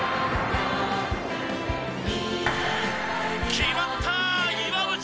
決まった岩渕！